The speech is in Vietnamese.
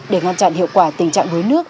để ngăn chặn hiệu quả tình trạng đuối nước